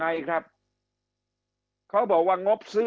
คำอภิปรายของสอสอพักเก้าไกลคนหนึ่ง